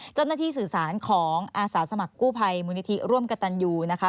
เจ้าหน้าที่สื่อสารของอาสาสมัครกู้ภัยมูลนิธิร่วมกับตันยูนะคะ